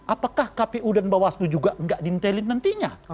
apakah kpu dan bawaslu juga nggak diintelin nantinya